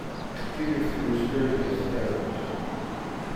The computer threw spurious errors.